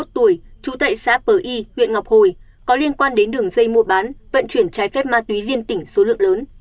trú tại xã pờ y huyện ngọc hồi có liên quan đến đường dây mua bán vận chuyển trái phép ma túy liên tỉnh số lượng lớn